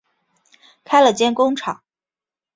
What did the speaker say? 开了间工厂